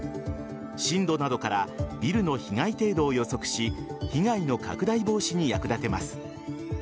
震度などからビルの被害程度を予測し被害の拡大防止に役立てます。